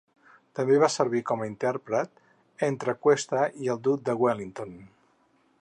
També va servir com a intèrpret entre Cuesta i el duc de Wellington.